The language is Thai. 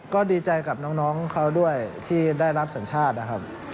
ก็ดีใจกับน้องเขาด้วยที่ได้รับสัญชาตินะครับ